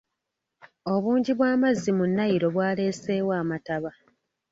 Obungi bw'amazzi mu Nile bwaleeseewo amataba.